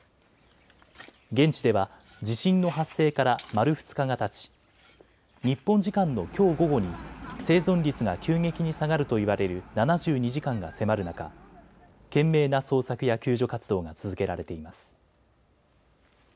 現地では地震の発生から丸２日がたち、日本時間のきょう午後に生存率が急激に下がるといわれる７２時間が迫る中、懸命な捜索や救助活動が続けられています。